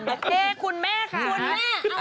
โอเคคุณแม่ค่ะ